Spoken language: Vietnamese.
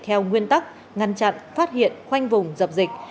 theo nguyên tắc ngăn chặn phát hiện khoanh vùng dập dịch